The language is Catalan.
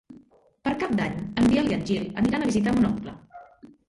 Per Cap d'Any en Biel i en Gil aniran a visitar mon oncle.